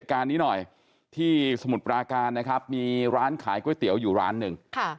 การนี้หน่อยที่สมุทรปราการนะครับมีร้านขายก๋วยเตี๋ยวอยู่ร้านหนึ่ง